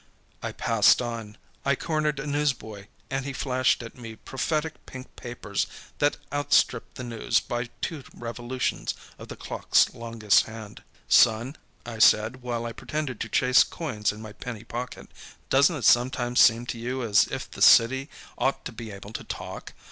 '" I passed on. I cornered a newsboy and he flashed at me prophetic pink papers that outstripped the news by two revolutions of the clock's longest hand. "Son," I said, while I pretended to chase coins in my penny pocket, "doesn't it sometimes seem to you as if the city ought to be able to talk?